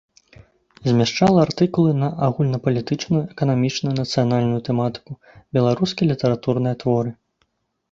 Змяшчала артыкулы на агульнапалітычную, эканамічную, нацыянальную тэматыку, беларускія літаратурныя творы.